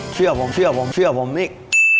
เชื่อผมเชื่อผมเชื่อผมนี่